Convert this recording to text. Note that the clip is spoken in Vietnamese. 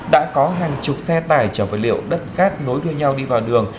đã có hàng chục xe tải trở về liệu đất cát nối đưa nhau đi vào đường